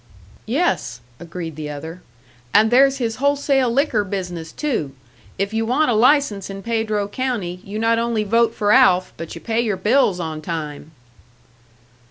"Yes," agreed the other. "And there's his wholesale liquor business, too. If you want a license in Pedro county, you not only vote for Alf, but you pay your bills on time!"